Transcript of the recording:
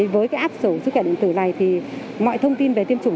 với cái app sổ sức khỏe điện tử này thì mọi thông tin về tiêm chủng